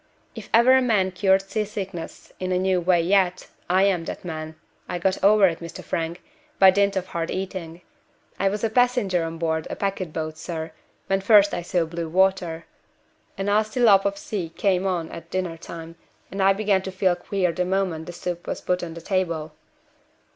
"If ever a man cured sea sickness in a new way yet, I am that man I got over it, Mr. Frank, by dint of hard eating. I was a passenger on board a packet boat, sir, when first I saw blue water. A nasty lopp of a sea came on at dinner time, and I began to feel queer the moment the soup was put on the table.